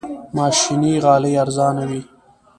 ماشيني غالۍ ارزانه وي.